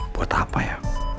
buat apa ya